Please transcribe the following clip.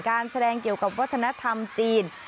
การแสดงเกี่ยวกับวัฒนธรรมจีน